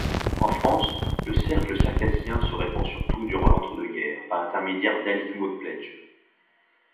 En France, le cercle circassien se répand surtout durant l'entre-deux-guerres par l'intermédiaire d'Alick-Maud Pledge.